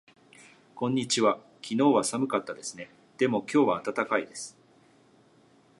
こんにちは。昨日は寒かったですね。でも今日は暖かいです。